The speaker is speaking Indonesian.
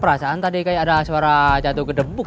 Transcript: perasaan tadi kayak ada suara jatuh ke debuk